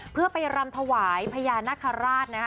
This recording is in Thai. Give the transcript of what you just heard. เพื่อไปรำถวายพญานาคาราชนะคะ